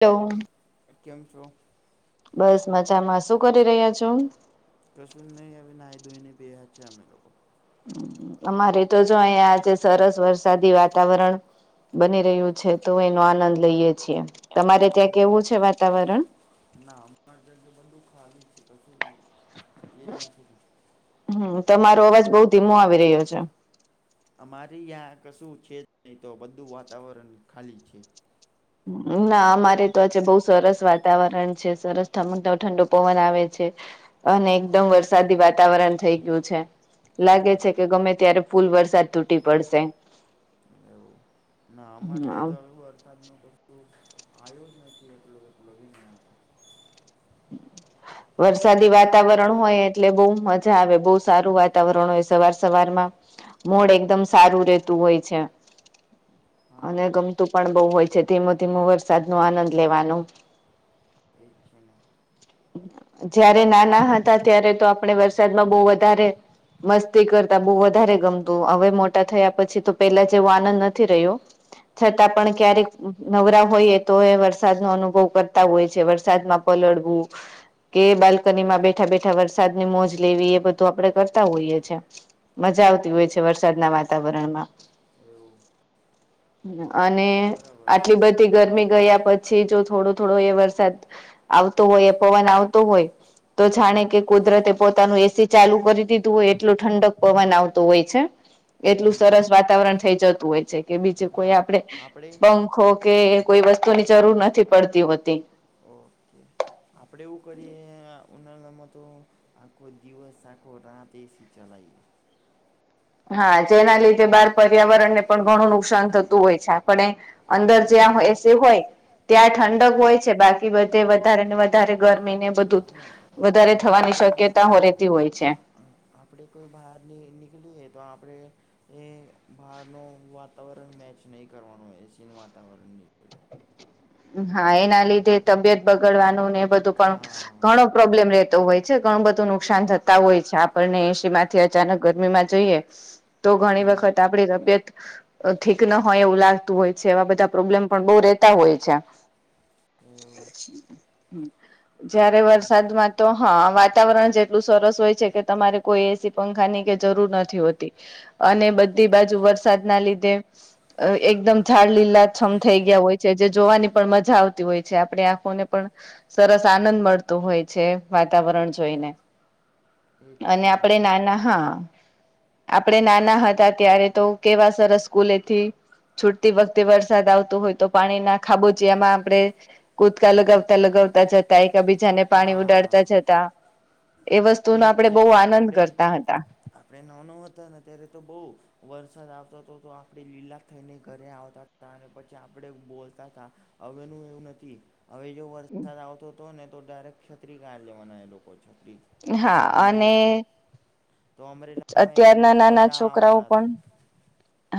લો. કેમ છો? બસ મજામાં શું કરી રહ્યા છો. કશ નહી હવે નાહી ધોઈને વેહ છે અમે લોકો. અમારે તો જો અહીંયા આજે સરસ વરસાદી વાતાવરણ. બની રહ્યું છે તો એનો આનંદ લઈએ છીએ તમારે ત્યાં કેવું છે વાતાવરણ. ના અમાણાં જગ્યા બધું ખાલી છે કશું એજ નથી પણ. હમ તમારો અવાજ બઉ ધીમો આવી રહ્યો છે. અમારી આ કશું છે નહીં તો બધું વાતાવરણ ખાલી છે. ના અમારે તો બઉુ સરસ વાતાવરણ છે સરસ ઠમક ઠંડો પવન આવે છે અને એકદમ વરસાદી વાતાવરણ થઈ ગયું છે લાગે છે. કે ગમે ત્યારે ફૂલ વરસાદ તૂટી પડશે. એવું ના અમારે તો એ તો વરસાદ ન કું્ આવ્યો જ નથી એટલું કેલોને હતા. વરસાદી વાતાવરણ હોય એટલે બહુ મસ્ત મજા આવે બહુ સારું વાતાવરણ હોય સવાર સવારમાં મોડ એકદમ સારું રતું હોય છે. અને ગમતું પણ બહુ હોય છે ધીમો ધીમો વરસાદ નો આનંદ લેવાનું. એ છેણ. જયારે નાના હતા ત્યારે તો આપણે વરસાદમાં બહુ વધારે. મસ્તી કરતા બહુ વધારે ગમતું હવે મોટા થયા પછી તો પેલા જેવો આનંદ નથી રહ્યો. છતાં પણ ક્યારેક નવરા હોઈએ તો એ વરસાદનો અનુભવ કરતા હોય છે વરસાદમાં પલડવું. કે બાલ્કની માં બેઠા બેઠા વરસાદની મોજ લેવી એ બધું આપડે કરતા હોઈએ છે. મજા આવતી હોય છે વરસાદના વાતાવરણમાં અને આટલી બધી ગરમી ગયા પછી જો થોડો થોડો એ વરસાદ આવતો હોય એ પવન આવતો હોય. તો જાણે કે કુદરતે પોતાનું એસી ચાલુ કરી દીધું હોય એટલું ઠંડક પવન આવતું હોય છે. એટલું સરસ વાતાવરણ થઈ જતું હોય છે કે બીજું કોઈ આપડે આખો કે કોઈ વસ્તુની જરૂર નથી પડતી હોતી. ઓકે. આપડે એવું કરીએ ઉનાળામાં તો આખો દિવસ આખો રાત એસી ચલાઈએ. હા જેના લીધે બહાર પર્યાવરણને પણ ઘણું નુકસાન થતું હોય છે પણ એ. અંદર જેય એ સ હોય. ત્યાં ઠંડક હોય છે બાકી બધે વધારે ને વધારે ગરમી ને બધું વધારે થવાની શક્યતા રહેતી હોય છે. આપડે કોઈ બહાર ની નીકળએ તો આપડે એ બહાર નો વાતાવરણ મેચ નહીં કરવાનો એસીન વાતાવરણની હા એના લીધે તબિયત બગડવાનું ને એ બધું પણ ઘણો પ્રોબ્લેમ રતો હોય ઘણું બધું નુકસાન થતા હોય છે આપણને એસી માંથી અચાનક ગરમી માં જોઈએ. તો ઘણી વખત આપડી તબિયત ઠીક ન હોય એવું લાગતું હોય છે એવા બધા પ્રોબ્લેમ પણ બઉુ રહેતા હોય છે. છી હમ જયારે વરસાદમાં તો હા વાતાવરણ જેટલું સરસ હોય છે કે તમારે કોઈ એસી પંખાની જરૂર નથી હોતી અને બધી બાજુ વરસાદ ના લીધે. એકદમ ઝાડ લીલા છમ થઈ ગયા હોય છે જે જોવાની પણ મજા આવતી હોય છે આપણે આંખોને પણ સરસ આનંદ મળતું હોય છે વાતાવરણ જોઈને. અને આપડે નાના હા આપડે નાના હતા ત્યારે તો કેવા સરસ સ્કૂલેથી છૂટતી વખતે વરસાદ આવતો હોય તો પાણી ના ખાબોચિયામાં આપણે કુદકા લગાવતા લગાવતા જતા એક બીજાને પાણી ઉડાડતા જતા એ વસ્તુ વસ્તુ ન આપડે બહુ આનંદ કરતા હતા આપણે નાનો હતા ને ત્યારે તો બહુ વરસાદ આવતો હતો તો આપણે લીલા થઈને ઘરે આવતા અને પછી આપણેે બોલતા હતા હવેનું એવું નથી હવે જો વરસાદ આવતો હતોય ને તો ડાયરેક્ટ છત્રી કાળ લેવાના એ લોકો છત્રી હા અને અત્યારના નાના છોકરાઓ પણ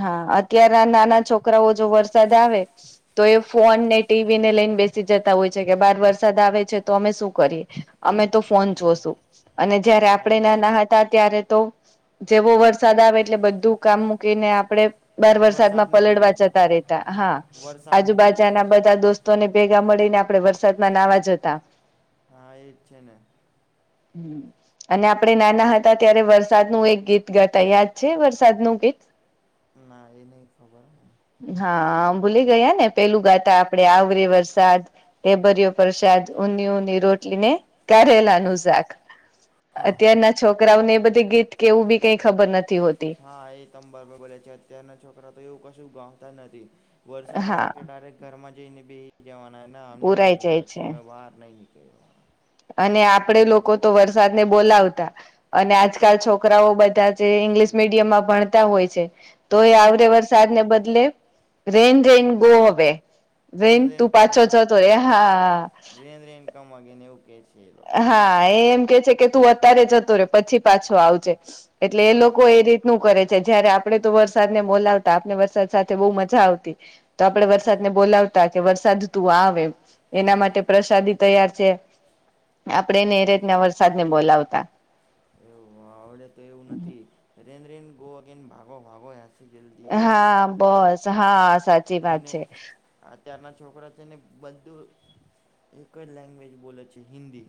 હા અત્યાર ના નાના છોકરાઓ જો વરસાદ આવે તો એ ફોન ને ટીવીને લઈને બેસી જતા હોય છે કે બાર વરસાદ આવે છે તો અમે શું કરીએ અમે તો ફોન જોશું અને જયારે આપણે નાના ત્યારે તો જેવો વરસાદ આવે એટલે બધું કામ મૂકીને આપડણે બાર વરસાદ માં પલળવા જતા રેતા હા આજુબાજાના બધા દોસ્તોને ભેગા મળીને આપડે વરસાદમાં નાવા જતા હા એ જ છે ને હમ્મ અને આપડણે નાના હતા ત્યારે વરસાદનું એક ગીત ગાતા યાદ છે વરસાદ નુ ગીત ના એ નહીં ખબર મને હા આમ ભૂલી ગયા ને પેલું ગાતા આપડે આવરે વરસાદ એ ઢેબરિયું પ્રસાદ ઊની ઉની રોટલી ને કારેલા નું શાક અત્યારના છોકરાઓને એ બધી ગીત કેવું બી કઈ ખબર નથી હોતી હા એ તબા બોલે છે અત્યના છોકરા તો એવું કશું ગાવતા નથી વરસાદ આવ્યા કે ડરેક્ટ ઘરમાં જઈને બે જવાના ના અમને ડોર લાગત છે અમે બહાર નહી નીકળવાના અને આપડે લોકો તો વરસાદ ને બોલાવતા અને આજકાલ છોકરાઓ બધા જે ઇંગ્લિશ મીડિયમ માં ભણતા હોય છે તો એ આવરે વરસાદને બદલે રેન રેન ગો હવે રેન તું પાછો જ હતો એ હા રેન રેન [unintelligible] વાગે નેવું કે છે હા એ એમ કે છે કે તું અત્યારે જતો રે પછી પાછો આવજે એટલે એ લોકો એ રીતે ું કરે છે જયારે આપડણે તો વરસાદ ને બોલાવતા આપને વરસાદ સાથે બહુ મજા આવતી તો આપડે વરસાદને બોલાવતા કે વરસાદ તું આવે એના માટે પ્રસાદી તૈયાર છે આપણેે એને એ રતના વરસાદ ને બોલાવતા એવું હ આવડે તો એવું નથી રેન રેન ગો અગેન ભાગો ભાગો હ હા બસ હા સાચી વાત છે અત્યારના છોકરા છે ને બધું એક જ લેંગ્વેજ બોલે છે હિન્દી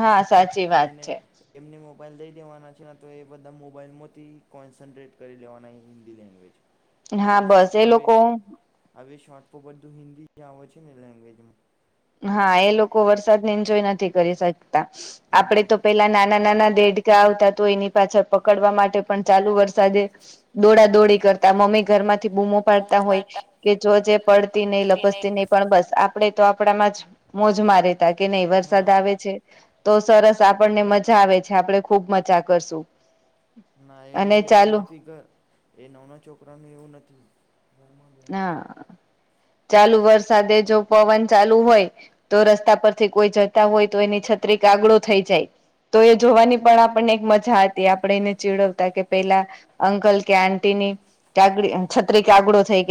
હા સાચી વાત છે એમને મોબાઈલ દઈ દેવાના છે ને તો એ બધા મોબાઈલમાંથી કોન્સન્ટ્રેટ કરી લેવાના હિન્દી લેંગવેજ હા બસ એ લોકો હવે શોર્ટ પર [unintelligible] બધું હિન્દી જ આવે છે ને લેંગ્વેજમાં હા એ લોકો વરસાદને એન્જોય નથી કરી શકતા આપડે તો પેલા નાના નાના દેઢ ત્યાં આવતા તો એની પાછા પકડવા માટે પણ ચાલુ વરસાદે દોડા દોડી કરતા મમ્મી ઘરમાંથી બૂમો પાડતા હોય કે જો જે પડતી નહી લપસતી નહી પણ બસ આપડે તો કપડામાં જ મોજ મારે ત કે નહી વરસાદ આવે છે તો સરસ આપણને મજા આવે છે આપડણે ખુબ મજા કરશું ના એમનું એવું નથી ઘ એ નનાનું છોકરાનું એવું નથી ના ચાલુ વરસાદે જો પવન ચાલુ હોય તો રસ્તા પરથી કોઈ જતા હોય તો એની છત્રી કાગળો થઈ જાય તો એ જોવાની પણ આપણને એક મજા હતી આપણે એને ચીડવતા કે પેલા અંકલ કે આંટી ની કાગડી છત્રી કાગડો થઈ.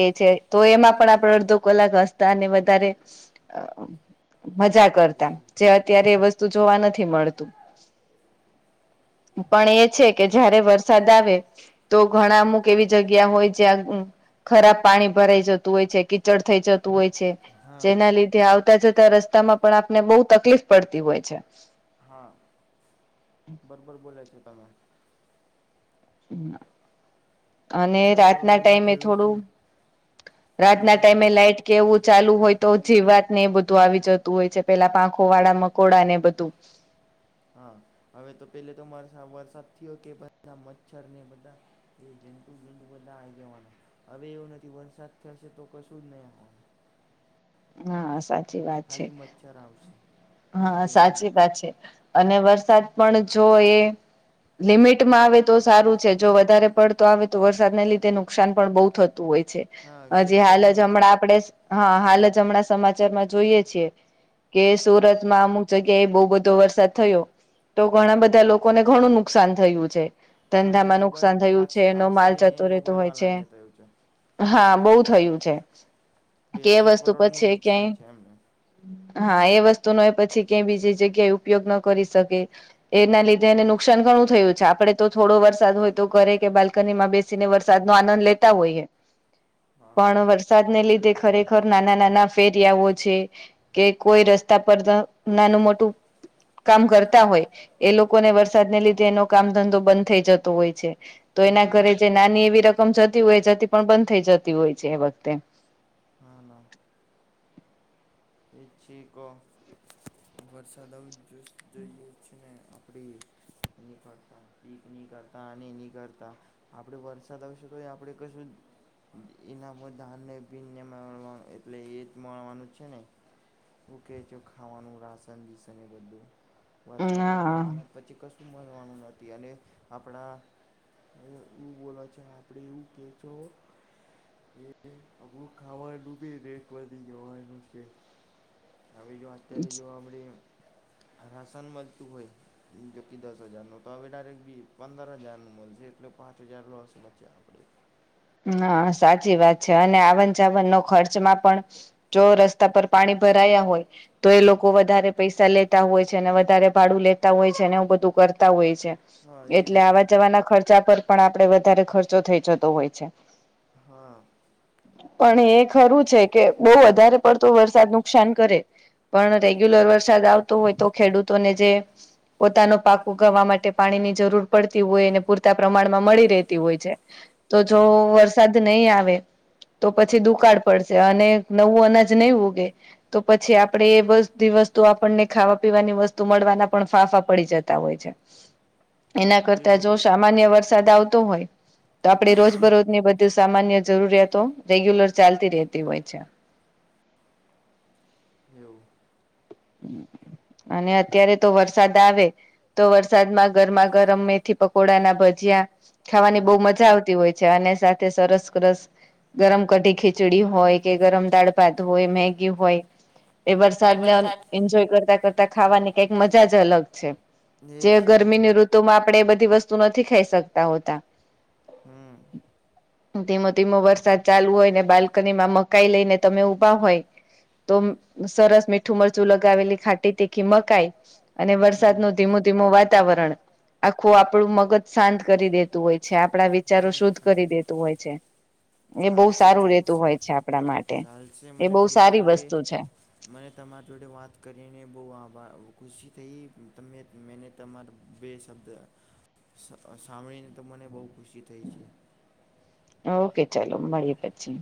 તો એમાં પણ આપણે અડધો કલાક હસતા અને વધારે. મજા કરતા જે અત્યારે એ વસ્તુ જોવા નથી મળતું. પણ એ છે કે જ્યારે વરસાદ આવે. તો ઘણા અમુક એવી જગ્યા હોય જ્યાં ખરાબ પાણી ભરાઈ જતું હોય છે કીચડ થઈ જતું હોય છે. જેના લીધે આવતા જતા રસ્તામાં પણ આપને બહુ તકલીફ પડતી હોય છે. હા. બરોબર બોલાય છે તમે. હમ [unintelligible] અને રાતના ટાઈમે થોડું રાતના ટાઈમે લાઈટ કેવું ચાલુ હોય તો જીવાત ને એ બધું આવી જતું હોય છે પેલા પાંખો વાળા મકોડાા ને બધું. હા હવે તો પેલે તો મારે વરસાદ થયો કે પછી આ મચ્છર ને બધા એ જંતુ જંતુ બધા આવી જવાના, હવે એવો નથી વરસાદ થશે તો કશું જ નહીં આવવાનું. હા સાચી વાત છે, હા સાચી વાત છે. અને વરસાદ પણ જો એ લિમિટમાં આવે તો સારું છે જો વધારે પડતો આવે તો વરસાદને લીધે નુકસાન પણ બહુ થતું હોય છે. હજી હાલ જ હમણાં આપડે હા હાલ જ હમણાં સમાચારમાં જોઈએ છીએ. કે સુરતમાં અમુક જગ્યા એ બહુ બધો વરસાદ થયો. તો ઘણા બધા લોકોને ઘણું નુકસાન થયું છે. ધંધામાં નુકસાન થયું છે ન માલ જતો રહેતો હોય છે. હા બહુ થયું છે. બેસકર [unintelligible] પછી ક્યાંય હા એ વસ્તુ નો એ પછી ક્યા બીજી જગ્યા એ ઉપયોગ ન કરી શકે. એના લીધે એને નુકસાન ઘણું થયું છે આપડે તો થોડો વરસાદ હોય તો ઘરે કે બાલ્કની માં બેસે વરસાદ નો આનંદ લેતા હોયએ, પણ વરસાદ ને લીધે ખરેખર નાના નાના ના ફેરિયાઓ છે, કે કોઈ રસ્તા પર નાનું મોટું કામ કરતા હોય, એ લોકોને વરસાદને લીધે એનો કામ ધંધો બંધ થઈ જતો હોય છે. તો એના ઘરે જે નાની એવી રકમ જતી હોય જતી પણ બંધ થઈ જતી હોય છે એ વખતે. હા હા. શીખો [unintelligible] વરસાદ આવ જોઈએ છે ને આપડી નીકળતા પીક નહીં કરતાં અને એ નહીં કરતાં, આપણે વરસાદ આવશે તો એ આપણે કશું ઈનામો ધાનને બિનને મળવા એટલે એ જ મળવાનું છે ને. હું કહેચો ખાવાનું રાસન દીસને બધું. વરસાદ નથી આવના પછી કશું મળવાનું નથી. હતી અને આપણા, એવું બોલા છે આપણે એવું કેહેજો. હે હે [unintelligible] પું ખાવાનું બી રેટ વધી જવાનું છે, આવી જો વાત અત્યારે જો આપણે રાશન મળતું હોય. જો કે દસ હજાર નો તો હવે ડાયરેક્ટ બી પંદર હજાર નું મળશે એટલે પાંચ હજાર લોસ બચે આપડે. હા સાચી વાત છે અને આવન જાવનનો ખર્ચમાં પણ. જો રસ્તા પર પાણી ભરાયા હોય. તો એ લોકો વધારે પૈસા લેતા હોય છે અનેને વધારે ભાડું લેતા હોય છે ને એવું બધું કરતા હોય છે. એટલે આવા જવાના ખર્ચા પર પણ આપડે વધારે ખર્ચો થઇ જતો હોય છે. હા. પણ એ ખરું છે કે બહુ વધારે પડતો વરસાદ નુકસાન કરે. પણ રેગ્યુલર વરસાદ આવતો હોય તો ખેડૂતોને જે પોતાનો પાક ઉગાવા માટે પાણી ની જરૂર પડતી હોય એને પૂરતા પ્રમાણમાં મળી રહેતી હોય છે. જો વરસાદ નહીં આવે તો પછી દુકાળ પડશે, અને નવું અનાજ નહીં ઉગે. તો પછી આપડે એ બધી વસ્તુ આપણને ખાવા પીવાની વસ્તુ મળવાના પણ ફાંફા પડી જતા હોય છે. એના કરતા જો સામાન્ય વરસાદ આવતો હોય, તો આપડે રોજ બરોજ ની બધી સામાન્ય જરૂરિયાતો રેગ્યુલર ચાલતી રહેતી હોય છે. એવું. અને અત્યારે તો વરસાદ આવે તો વરસાદમાં ગરમા ગરમ મેથી પકોડા ના ભજીયા ખાવાની બહુ મજા આવતી હોય છે, અને સાથે સરસ રસ ગરમ ક્ઢી ખીચડી હોય, કે ગરમ દાળ ભાત હોય, મેગી હોય એ વરસાદને અન જોય કરતા-કરતા ખાવાની કંઈક મજા જ અલગ છે. જે ગરમીની ઋતુ તો માં આપણે એ બધી વસ્તુ નથી ખાઈ શકતા હોતા. હમ્મ. ધીમો-ધીમો વરસાદ ચાલુ હોય ને બાલ્કની માં મકાઈ લઈને તમે ઊભા હોય તો સરસ મીઠું મરચું લગાવેલી ખાટી તીખી મકાઈ અને વરસાદનું ધીમું-ધીમું વાતાવરણ આખું આપણું મગજ શાંત કરી દેતું હોય છે, આપણા વિચારો શુદ્ધ કરી દેતું હોય છે. એ બહુ સારું રહેતું હોય છે આપણા માટે, એ બહુ સારી વસ્તુ છે. મને તમારા જોડે વાત કરીને બહુ આભાર ખુશી થઈ, તમે મેને તમાર બે શબ્દ સ સાંભળીને તો મને બહુ ખુશી થઈ છે. ઓકે ચલો મળીએ પછી.